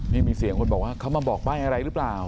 นี่มีเสียงคนบอกว่าเขามาบอกใบ้อะไรหรือเปล่า